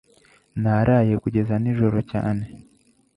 Naraye kugeza nijoro cyane.